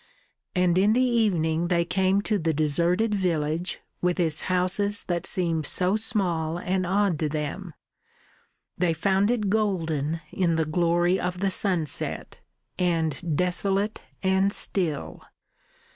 And in the evening they came to the deserted village, with its houses that seemed so small and odd to them: they found it golden in the glory of the sunset, and desolate and still.